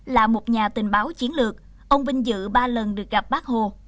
là một nhà tình báo chiến lược ông vinh dự ba lần được gặp bác hồ